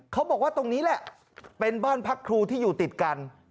เขาบอกว่าตรงนี้แหละเป็นบ้านพักครูที่อยู่ติดกัน